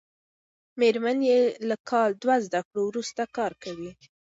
مېرمن یې له کال دوه زده کړو وروسته کار کوي.